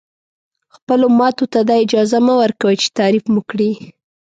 خپلو ماتو ته دا اجازه مه ورکوئ چې تعریف مو کړي.